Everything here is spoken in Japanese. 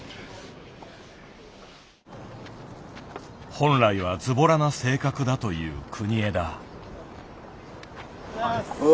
本来はずぼらな性格だという国枝。